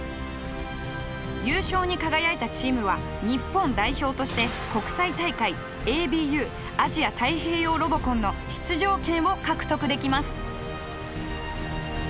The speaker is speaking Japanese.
優勝に輝いたチームは日本代表として国際大会ＡＢＵアジア太平洋ロボコンの出場権を獲得できます。